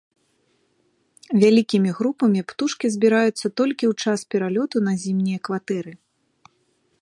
Вялікімі групамі птушкі збіраюцца толькі ў час пералёту на зімнія кватэры.